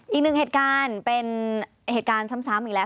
อีกหนึ่งเหตุการณ์เป็นเหตุการณ์ซ้ำอีกแล้ว